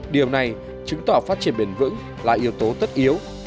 điều này chứng tỏ phát triển bền vững là yếu tố tất yếu